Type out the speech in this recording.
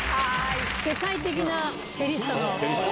世界的なチェリストの。